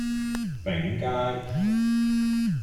昺街